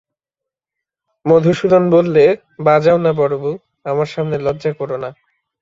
মধূসূদন বললে, বাজাও-না বড়োবউ, আমার সামনে লজ্জা কোরো না।